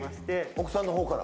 奥さんの方から？